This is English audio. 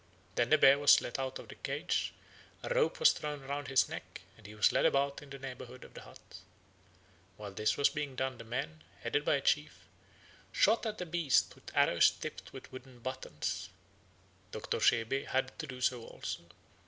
Then the bear was let out of his cage, a rope was thrown round his neck, and he was led about in the neighbourhood of the hut. While this was being done the men, headed by a chief, shot at the beast with arrows tipped with wooden buttons. Dr. Scheube had to do so also.